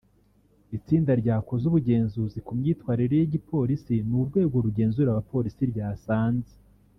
Itsinda ryakoze ubugenzuzi ku myitwarire y'igipolisi n'urwego rugenzura abapolisi ryasanze